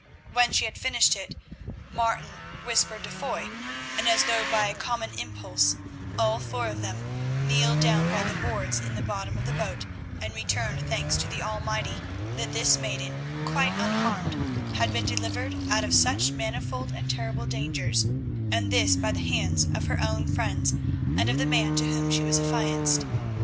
When she had finished it, Martin whispered to Foy, and as though by a common impulse all four of them kneeled down upon the boards in the bottom of the boat, and returned thanks to the Almighty that this maiden, quite unharmed, had been delivered out of such manifold and terrible dangers, and this by the hands of her own friends and of the man to whom she was affianced.